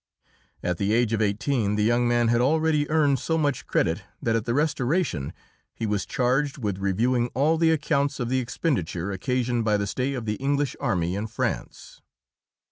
At the age of eighteen the young man had already earned so much credit that at the Restoration he was charged with reviewing all the accounts of the expenditure occasioned by the stay of the English army in France.